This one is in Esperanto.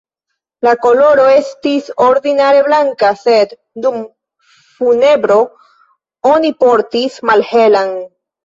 La koloro estis ordinare blanka, sed dum funebro oni portis malhelan.